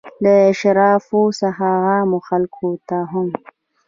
له اشرافو څخه عامو خلکو ته هم.